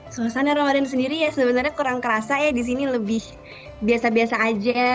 suasana ramadan sendiri ya sebenarnya kurang kerasa ya di sini lebih biasa biasa aja